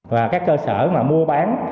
và các cơ sở mà mua bán